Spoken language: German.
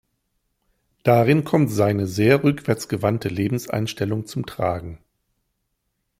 Darin kommt seine sehr rückwärtsgewandte Lebenseinstellung zum Tragen.